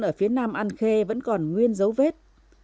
ở phía nam an khê vẫn còn nguyên dấu vết